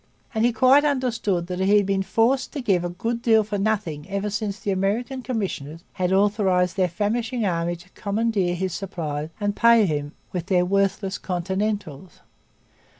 And he quite understood that he had been forced to give a good deal for nothing ever since the American commissioners had authorized their famishing army to commandeer his supplies and pay him with their worthless 'Continentals.'